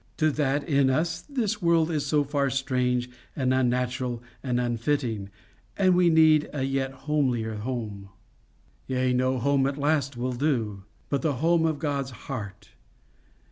To that in us, this world is so far strange and unnatural and unfitting, and we need a yet homelier home. Yea, no home at last will do, but the home of God's heart.